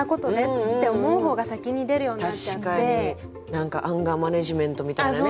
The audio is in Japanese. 何かアンガーマネジメントみたいなね